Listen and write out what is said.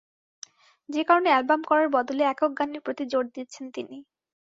যে কারণে অ্যালবাম করার বদলে একক গানের প্রতি জোর দিচ্ছেন তিনি।